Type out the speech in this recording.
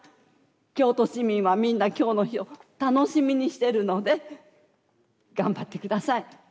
京都市民はみんな今日の日を楽しみにしてるので頑張って下さい。